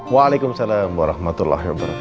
waalaikumsalam warahmatullahi wabarakatuh